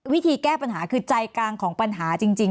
วิธีแก้ปัญหาคือใจกลางของปัญหาจริง